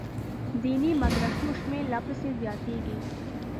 دیني مدرسو شمېر لا پسې زیاتېږي.